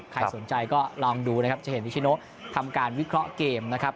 ใครสนใจก็ลองดูนะครับจะเห็นนิชิโนทำการวิเคราะห์เกมนะครับ